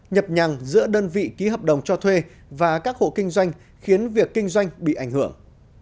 nhập nhằng giữa đơn vị ký hợp đồng cho thuê và các hộ kinh doanh khiến việc kinh doanh bị ảnh hưởng